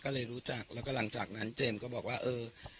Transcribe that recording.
ก็เลยรู้จักแล้วก็หลังจากนั้นเจมส์ก็บอกว่าเออ